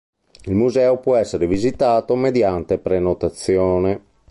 Il museo può essere visitato mediante prenotazione.